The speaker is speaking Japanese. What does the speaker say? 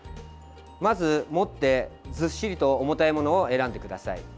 まず持って、ずっしりと重たいものを選んでください。